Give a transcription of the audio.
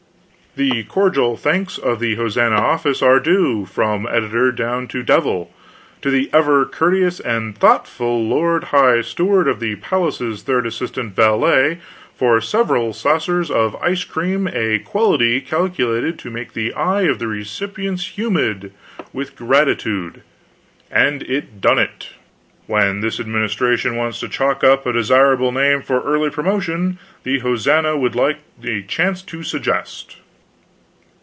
The cordial thanks of the Hosannah office are due, from editor down to devil, to the ever courteous and thought ful Lord High Stew d of the Palace's Third Assistant V t for several sau ceTs of ice crEam a quality calculated to make the ey of the recipients hu mid with grt ude; and it done it. When this administration wants to chalk up a desirable name for early promotion, the Hosannah would like a chance to sudgest.